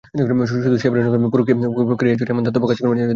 শুধু সেবারই কেন, পুরো ক্যারিয়ারজুড়েই এমন দাতব্য কাজ করেছেন জার্মান মিডফিল্ডার।